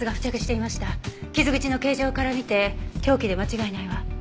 傷口の形状から見て凶器で間違いないわ。